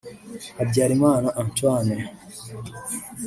Habyarimana Antoine